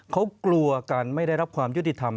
เขากลัวการไม่ได้รับความยุติธรรม